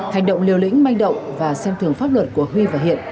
hành động liều lĩnh manh động và xem thường pháp luật của huy và hiện